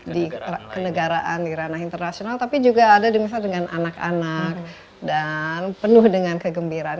di kenegaraan di ranah internasional tapi juga ada misalnya dengan anak anak dan penuh dengan kegembiraan